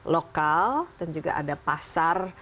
lokal dan juga ada pasar